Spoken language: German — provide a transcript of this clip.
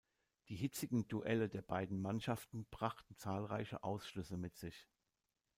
Die hitzigen Duelle der beiden Mannschaften brachten zahlreiche Ausschlüsse mit sich.